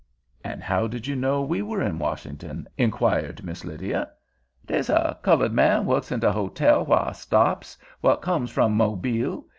"And how did you know we were in Washington?" inquired Miss Lydia. "Dey's a cullud man works in de hotel whar I stops, what comes from Mobile.